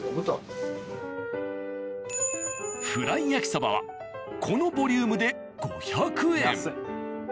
フライ焼きそばはこのボリュームで５００円。